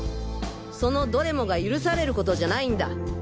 そのどれもが許されることじゃないんだ！